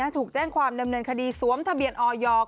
ถูกแจ้งความดำเนินคดีสวมทะเบียนออย